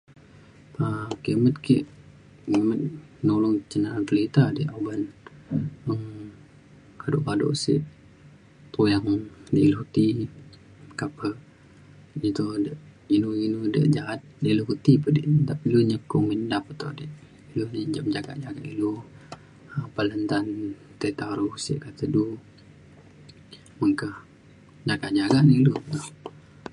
um kimet ke ngimet nolong cen na'a belita di oban meng kado kado sik tuyang na ilu ti meka pe iu to de inu inu de ja'at ilu ko ti pe de' nta pemilu nyokong mendap de'. ilu ja mencam jagak jagak ilu apan le nta tai daru sik kata du. meka. jagak jagak na ilu